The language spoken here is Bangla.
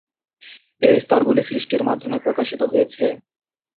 এই স্তরগুলি সৃষ্টির মাধ্যমে প্রকাশিত হয়েছে।